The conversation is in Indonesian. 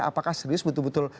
apakah serius betul betul